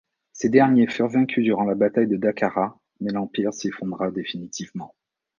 Ces derniers furent vaincus durant la bataille de Dakara mais l'empire s'effondra définitivement.